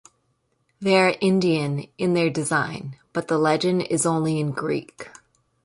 They are Indian in their design, but the legend is only in Greek.